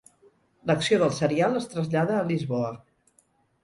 L'acció del serial es trasllada a Lisboa.